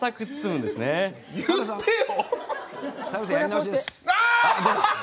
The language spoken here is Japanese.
言ってよ！